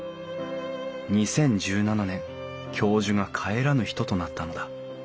２０１７年教授が帰らぬ人となったのだ。